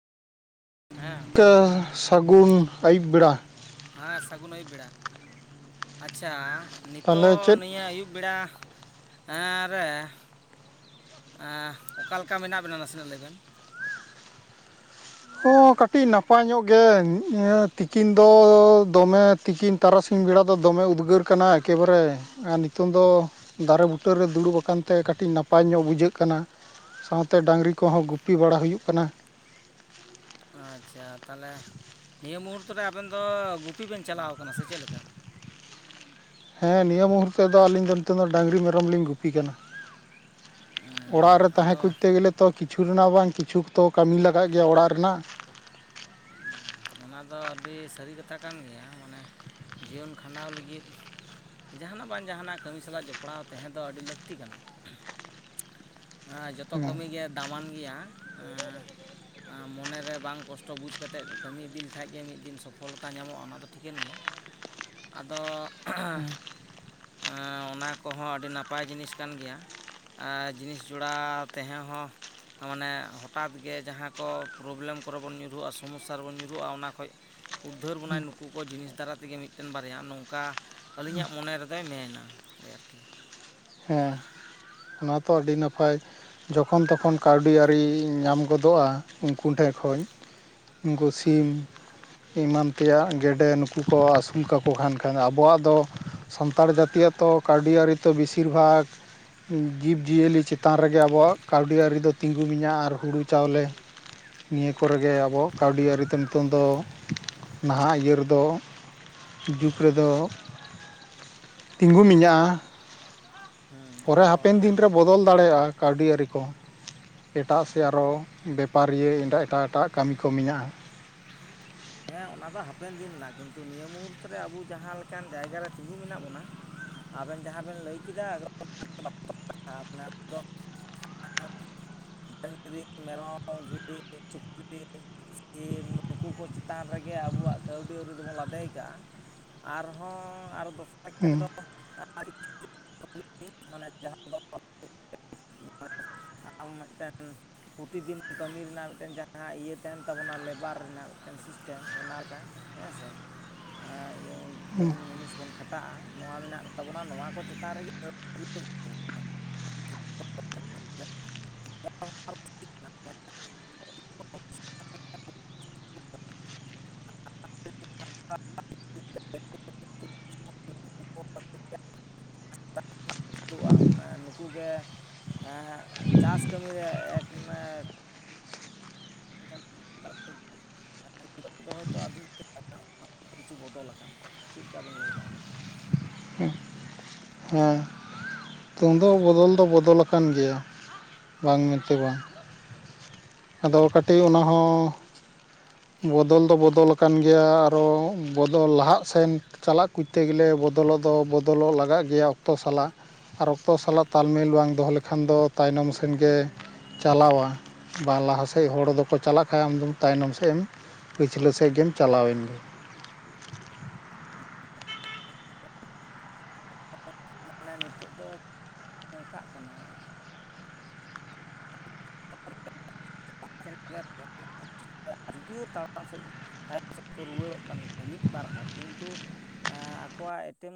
ᱦᱮᱸ ᱠ ᱥᱟᱹᱜᱩᱱ ᱟᱹᱭᱩᱵ ᱵᱮᱲᱟ ᱦᱮᱸ ᱥᱟᱹᱜᱩᱱ ᱟᱹᱭᱩᱵ ᱵᱮᱲᱟ ᱟᱪᱪᱷᱟ ᱛᱟᱦᱚᱞᱮ ᱱᱤᱛᱚᱜ ᱪᱮᱫ ᱱᱤᱭᱟᱹ ᱟᱹᱭᱩᱵ ᱵᱮᱲᱟ ᱮ ᱨᱮ ᱚᱠᱟ ᱞᱮᱠᱟ ᱢᱮᱱᱟᱜ ᱵᱮᱱᱟ ᱱᱟᱥᱮᱱᱟᱜ ᱞᱟᱹᱭ ᱵᱮᱱ ᱦᱚᱸ ᱠᱟᱹᱴᱤᱡ ᱱᱟᱯᱟᱭ ᱧᱚᱜ ᱜᱮ ᱛᱤᱠᱤᱱ ᱫᱚ ᱫᱚᱢᱮ ᱛᱤᱠᱤᱱ ᱛᱟᱨᱟᱥᱤᱧ ᱛᱤᱠᱤᱱ ᱵᱮᱲᱟ ᱫᱚ ᱫᱚᱢᱮ ᱩᱫᱽᱜᱟᱹᱨ ᱠᱟᱱᱟ ᱮᱠᱮᱵᱟᱨᱮ ᱟᱨ ᱱᱤᱛᱚᱝ ᱫᱚ ᱫᱟᱨᱮ ᱵᱩᱴᱟᱹᱨ ᱨᱮ ᱫᱩᱲᱩᱵ ᱟᱠᱟᱱ ᱛᱮ ᱠᱟᱹᱴᱤ ᱴᱤ ᱱᱟᱯᱟᱭ ᱧᱚᱜ ᱵᱩᱡᱷᱟᱹᱜ ᱠᱟᱱᱟ ᱥᱟᱶᱛᱮ ᱰᱟᱹᱟᱝᱨᱤ ᱠᱚᱦᱚᱸ ᱜᱩᱯᱤ ᱵᱟᱲᱟ ᱦᱩᱭᱩᱜ ᱠᱟᱱᱟ ᱟᱪᱪᱷᱟ ᱛᱟᱦᱚᱞᱮ ᱱᱤᱭᱟᱹ ᱢᱩᱦᱩᱨᱛ ᱨᱮ ᱟᱵᱮᱱ ᱫᱚ ᱜᱩᱯᱤ ᱵᱮᱱ ᱪᱟᱞᱟᱣ ᱠᱟᱱᱟ ᱥᱮ ᱪᱮᱫ ᱞᱮᱠᱟ ᱦᱮᱸ ᱱᱤᱭᱟᱹ ᱢᱩᱦᱩᱨᱛᱮ ᱫᱚ ᱟᱹᱞᱤᱧ ᱫᱚ ᱱᱤᱛᱚᱜ ᱫᱚ ᱰᱟᱹᱟᱝᱨᱤ ᱢᱮᱨᱚᱢ ᱞᱤᱧ ᱜᱩᱯᱤ ᱠᱟᱱᱟ ᱚᱲᱟᱜ ᱨᱮ ᱛᱟᱦᱮᱸ ᱟᱫᱚ ᱠᱚᱛᱛᱮ ᱜᱮᱞᱮ ᱛᱚ ᱠᱤᱪᱷᱩ ᱠᱤᱪᱷᱩ ᱫᱚᱱᱟᱜ ᱵᱟᱝ ᱠᱤᱪᱷᱩᱛᱚ ᱠᱟᱹᱢᱤ ᱞᱟᱜᱟᱜ ᱜᱮᱭᱟ ᱚᱲᱟᱜ ᱨᱮᱱᱟᱜ ᱚᱱᱟ ᱫᱚ ᱟᱹᱰᱤ ᱥᱟᱹᱨᱤ ᱠᱟᱛᱷᱟ ᱠᱟᱱ ᱜᱮᱭᱟ ᱢᱟᱱᱮ ᱡᱤᱭᱚᱱ ᱠᱷᱟᱸᱰᱟᱣ ᱞᱟᱹᱜᱤᱫ ᱡᱟᱦᱟᱱᱟᱜ ᱵᱟᱝ ᱡᱟᱦᱟᱱᱟᱜ ᱠᱟᱹᱢᱤ ᱥᱟᱞᱟᱜ ᱡᱚᱯᱲᱟᱣ ᱛᱟᱦᱮᱸ ᱫᱚ ᱟᱹᱰᱤ ᱞᱟᱹᱠᱛᱤ ᱠᱟᱱᱟ ᱦᱮ ᱡᱚᱛᱚ ᱦᱮᱸ ᱠᱟᱹᱢᱤ ᱜᱮ ᱫᱟᱢᱟᱱ ᱜᱮᱭᱟ ᱮᱸ ᱢᱚᱱᱮ ᱨᱮ ᱵᱟᱝ ᱠᱚᱥᱴᱚ ᱵᱩᱡᱽ ᱠᱟᱛᱮᱫ ᱠᱟᱹᱢᱤ ᱤᱫᱤ ᱞᱮᱠᱷᱟᱡ ᱜᱮ ᱢᱤᱫ ᱫᱤᱱ ᱥᱚᱯᱷᱚᱞᱚᱛᱟ ᱧᱟᱢᱚᱜᱼᱟ ᱚᱱᱟ ᱫᱚ ᱴᱷᱤᱠᱟᱹᱱ ᱜᱮᱭᱟ ᱟᱫᱚ ᱮᱸ ᱚᱱᱟ ᱠᱚᱦᱚᱸ ᱟᱹᱰᱤ ᱱᱟᱯᱟᱭ ᱡᱤᱱᱤᱥ ᱠᱟᱱ ᱜᱮᱭᱟ ᱡᱤᱱᱤᱥ ᱡᱚᱲᱟ ᱛᱮᱦᱮᱸ ᱦᱚᱸ ᱢᱟᱱᱮ ᱦᱚᱴᱟᱛ ᱜᱮ ᱡᱟᱦᱟᱸ ᱠᱚ ᱯᱨᱚᱵᱞᱮᱢ ᱠᱚᱨᱮ ᱵᱚᱱ ᱧᱩᱨᱦᱩᱜᱼᱟ ᱥᱚᱢᱚᱥᱥᱟ ᱥᱟᱨ ᱵᱚᱱ ᱧᱩᱨᱦᱩᱜᱼᱟ ᱚᱱᱟ ᱠᱷᱚᱡ ᱩᱫᱽᱫᱷᱟᱹᱨ ᱵᱚᱱᱟᱭ ᱱᱩᱠᱩ ᱠᱚ ᱡᱤᱱᱤᱥ ᱫᱟᱨᱟ ᱛᱮᱜᱮ ᱢᱤᱫᱴᱮᱱ ᱵᱟᱨᱭᱟ ᱱᱚᱝᱠᱟ ᱟᱹᱞᱤᱧᱟᱜ ᱢᱚᱱᱮ ᱨᱮᱫᱚᱭ ᱢᱮᱱᱟ ᱳᱭ ᱟᱨᱠᱤ ᱦᱮᱸ ᱚᱱᱟ ᱛᱚ ᱟᱹᱰᱤ ᱱᱟᱯᱟᱭ ᱡᱚᱠᱷᱚᱱ ᱛᱚᱠᱷᱚᱱ ᱠᱟᱹᱣᱰᱤ ᱟᱹᱨᱤ ᱧᱟᱢ ᱜᱚᱫᱚᱜᱼᱟ ᱩᱱᱠᱩ ᱴᱷᱮᱜ ᱠᱷᱚᱡ ᱩᱱᱠᱩ ᱥᱤᱢ ᱮᱢᱟᱱ ᱛᱮᱭᱟᱜ ᱜᱮᱰᱮ ᱱᱩᱠᱩ ᱠᱚ ᱟᱹᱥᱩᱞ ᱠᱟᱠᱚ ᱠᱷᱟᱱ ᱠᱷᱟᱱ ᱟᱵᱚᱣᱟᱜ ᱫᱚ ᱥᱟᱱᱛᱟᱲ ᱡᱟᱹᱛᱤᱭᱟᱜ ᱛᱚ ᱠᱟᱹᱣᱰ ᱟᱹᱨᱤ ᱛᱚ ᱵᱮᱥᱤᱨ ᱵᱷᱟᱜᱽ ᱡᱤᱵᱽᱼᱡᱤᱭᱟᱹᱞᱤ ᱪᱮᱛᱟᱱ ᱨᱮᱜᱮ ᱟᱵᱚᱣᱟᱜ ᱠᱟᱹᱣᱰᱤ ᱟᱹᱨᱤ ᱫᱚ ᱛᱤᱸᱜᱩ ᱢᱮᱧᱟᱹ ᱟᱨ ᱦᱩᱲᱩ ᱪᱟᱣᱞᱮ ᱱᱤᱭᱟᱹ ᱠᱚᱨᱮᱜᱮ ᱟᱵᱚ ᱠᱟᱹᱣᱰᱤ ᱟᱹᱨᱤᱛᱮ ᱱᱤᱛᱚᱝ ᱫᱚ ᱱᱟᱦᱟᱜ ᱤᱭᱟᱹ ᱨᱮᱫᱚ ᱡᱩᱜᱽ ᱨᱮᱫᱚ ᱛᱤᱸᱜᱩ ᱢᱤᱧᱟ ᱦᱮᱸ ᱯᱚᱨᱮ ᱟᱫᱚ ᱦᱟᱯᱮᱱ ᱫᱤᱱᱨᱮ ᱵᱚᱫᱚᱞ ᱫᱟᱲᱮᱭᱟᱜᱼᱟ ᱠᱟᱹᱣᱰᱤ ᱟᱹᱨᱤ ᱠᱚ ᱮᱴᱟᱜ ᱥᱮ ᱟᱨᱦᱚ ᱵᱮᱯᱟᱨᱤᱭᱟᱹ ᱮᱸᱰᱮ ᱮᱴᱟᱜ ᱮᱴᱟᱜ ᱠᱟᱹᱢᱤ ᱠᱚ ᱢᱮᱱᱟᱜᱼᱟ ᱦᱮᱸ ᱚᱱᱟ ᱫᱚ ᱦᱟᱯᱮᱱ ᱫᱤᱱ ᱨᱮᱱᱟᱜ ᱠᱤᱱᱛᱩ ᱱᱤᱭᱟᱹ ᱢᱩᱦᱩᱨᱛᱮ ᱨᱮ ᱟᱵᱚ ᱡᱟᱦᱟᱸ ᱞᱮᱠᱟᱱ ᱡᱟᱭᱜᱟᱨᱮ ᱛᱤᱸᱜᱩ ᱢᱮᱱᱟᱜ ᱵᱚᱱᱟ ᱟᱵᱮᱱ ᱡᱟᱦᱟᱸ ᱵᱮᱱ ᱞᱟᱹᱭ ᱠᱮᱫᱟ ᱫᱚ ᱰᱟᱹᱟᱝᱨᱤ ᱢᱮᱨᱚᱢ ᱵᱷᱤᱰᱤ ᱥᱩᱠᱨᱤ ᱥᱤᱢ ᱱᱩᱠᱩ ᱠᱚ ᱪᱮᱛᱟᱱ ᱨᱮᱜᱮ ᱟᱵᱚᱣᱟᱜ ᱠᱟᱹᱣᱰᱤ ᱟᱹᱨᱤ ᱫᱚᱵᱚᱱ ᱞᱟᱫᱮᱭ ᱠᱟᱜᱼᱟ ᱦᱮᱸ ᱛᱮᱫᱚ ᱟᱨ ᱠᱤ ᱢᱟᱱᱮ ᱡᱟᱦᱟᱸ ᱫᱚ ᱢᱮᱸ ᱟᱨ ᱢᱤᱫᱴᱮᱱ ᱯᱩᱛᱤᱫᱤᱱ ᱠᱟᱹᱢᱤ ᱨᱮᱱᱟᱜ ᱢᱤᱫᱴᱮᱱ ᱡᱟᱦᱟᱸ ᱤᱭᱟᱹ ᱛᱟᱦᱮᱱ ᱛᱟᱵᱚᱱᱟ ᱞᱮᱵᱟᱨ ᱨᱮᱱᱟᱜ ᱢᱤᱫᱴᱮᱱ ᱥᱤᱥᱴᱮᱢ ᱚᱱᱟᱠᱟ ᱦᱮᱸ ᱥᱮ ᱤᱭᱟᱹ ᱠᱟᱹᱢᱤᱱ ᱢᱩᱱᱤᱥ ᱵᱚᱱ ᱠᱷᱟᱴ ᱴᱟᱜᱼᱟ ᱱᱚᱣᱟ ᱢᱮᱱᱟᱜ ᱛᱟᱵᱚᱱᱟ ᱱᱚᱣᱟ ᱠᱚ ᱪᱮᱛᱟᱱ ᱨᱮᱜᱮ ᱟᱹ [unintelligible] [unintelligible] [unintelligible] ᱼᱟ ᱱᱩᱠᱩ ᱜᱮ ᱪᱟᱥ ᱠᱟᱹᱢᱤᱨᱮ ᱢᱮᱱᱟ ᱱᱤᱛᱚᱜ ᱫᱚ ᱦᱚᱭᱛᱳ ᱟᱫᱚᱢ ᱛᱮ ᱠᱤᱪᱷᱩ ᱵᱚᱫᱚᱞ ᱟᱠᱟᱱᱟ ᱪᱮᱫ ᱞᱮᱠᱟ ᱵᱮᱱ ᱞᱟᱹᱭᱫᱟ ᱟᱵᱮᱱ ᱦᱮᱸ [unintelligible] ᱦᱮᱸ ᱛᱩᱢᱫᱟᱜ ᱵᱚᱫᱚᱞ ᱫᱚ ᱵᱚᱫᱚᱞ ᱟᱠᱟᱱ ᱜᱮᱭᱟ ᱵᱟᱝ ᱢᱮᱱᱛᱮ ᱵᱟᱝ ᱟᱫᱚ ᱠᱟᱹᱴᱤᱡ ᱚᱱᱟ ᱦᱚᱸ ᱵᱚᱫᱚᱞ ᱫᱚ ᱵᱚᱫᱚᱞᱟᱠᱟᱱ ᱜᱮᱭᱟ ᱟᱨᱚ ᱵᱚᱫᱚᱞ ᱞᱟᱦᱟᱜ ᱥᱮᱱ ᱪᱟᱞᱟᱜ ᱠᱚᱛᱮ ᱜᱮᱞᱮ ᱵᱚᱫᱚᱞᱚᱜ ᱫᱚ ᱵᱚᱫᱚᱞᱚᱜ ᱞᱟᱜᱟᱜ ᱜᱮᱭᱟ ᱚᱠᱛᱚ ᱥᱟᱞᱟᱜ ᱟᱨ ᱚᱠᱛᱚ ᱥᱟᱞᱟᱜ ᱛᱟᱞᱢᱤᱞ ᱵᱟᱝ ᱫᱚᱦᱚ ᱞᱮᱠᱷᱟᱱ ᱫᱚ ᱛᱟᱭᱱᱚᱢᱥᱤᱱ ᱜᱮ ᱪᱟᱞᱟᱣᱟ ᱵᱟ ᱞᱟᱦᱟ ᱥᱮᱫ ᱦᱚᱲ ᱫᱚᱠᱚ ᱪᱟᱞᱟᱜ ᱠᱷᱟᱡ ᱟᱢ ᱫᱚ ᱛᱟᱭᱱᱚᱢ ᱥᱮᱫ ᱮᱢ ᱯᱤᱪᱷᱞᱟᱹ ᱥᱮᱫ ᱜᱮᱢ ᱪᱟᱞᱟᱣ ᱮᱱ ᱜᱮ [inaudible] ᱢᱟᱱᱮ ᱱᱤᱛᱚᱜ ᱫᱚ ᱱᱚᱝᱠᱟᱜ ᱠᱟᱱᱟ [unintelligible] ᱡᱩᱫᱤᱭᱳ ᱛᱟᱲᱟᱢ ᱥᱮᱫ ᱛᱟᱭᱚᱢ ᱥᱮᱫ ᱠᱚ ᱨᱩᱣᱟᱹᱲᱚᱜ ᱠᱟᱱ ᱜᱮᱭᱟ ᱢᱤᱫ ᱵᱟᱨ ᱦᱚᱲ ᱠᱤᱱᱛᱩ ᱟᱠᱚᱣᱟᱜ ᱮᱴᱮᱢ